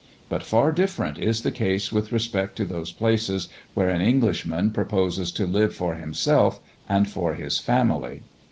But far different is the case with respect to those places where an Englishman proposes to live for himself and for his family.